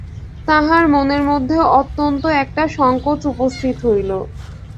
তাঁহার মনের মধ্যে অত্যন্ত একটা সংকোচ উপস্থিত হইল।